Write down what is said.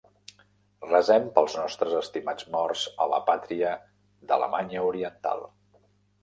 Resem pels nostres estimats morts a la pàtria d'Alemanya Oriental.